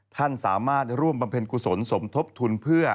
ท่านสามารถร่วมบำเพ็ญกุศลสมทบทุนเพื่อ